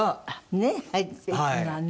ねえ入っていくのはね。